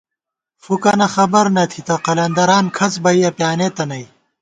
فُکَنہ خبر نہ تھِتہ قلندران کھڅ بئیَہ پیانېتہ نئ